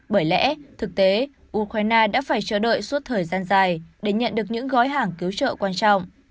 bởi lẽ thực tế ukraine đã phải chờ đợi suốt thời gian dài để nhận được những gói hàng cứu trợ quan trọng